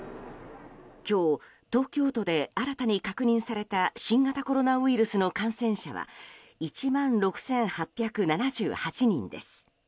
今日、東京都で新たに確認された新型コロナウイルスの感染者は１万６８７８人。